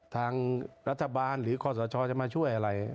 ทางรัฐบาลหรือคอสชจะมาช่วยอะไร